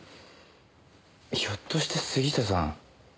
ひょっとして杉下さん。